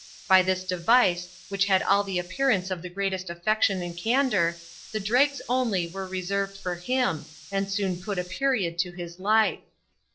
By this device, which had all the appearance of the greatest affection and candor, the dregs only were reserved for him, and soon put a period to his life.